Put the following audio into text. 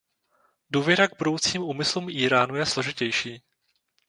Důvěra k budoucím úmyslům Íránu je složitější.